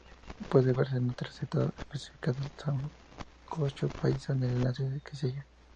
Puede verse una receta específica del sancocho paisa en el enlace que sigue.